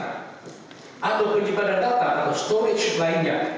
atau penyimpanan data atau storage lainnya